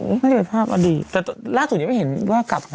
ไม่ได้ภาพอ่ะดีแต่ล่าสุดยังไม่เห็นว่ากลับนะ